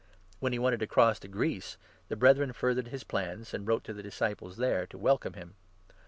When he wanted to 27 cross to Greece, the Brethren furthered his plans, and wrote to the disciples there to welcome him.